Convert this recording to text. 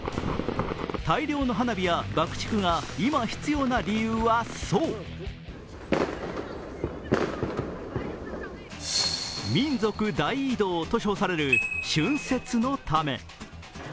大量の花火や爆竹が今、必要な理由は、そう民族大移動と称される春節のため。